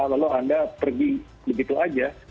lalu anda pergi begitu aja